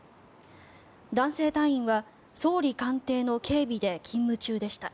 男性隊員は総理官邸の警備で勤務中でした。